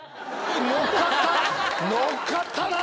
乗っかった！